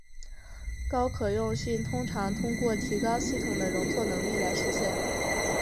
高可用性通常通过提高系统的容错能力来实现。